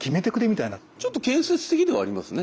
ちょっと建設的ではありますね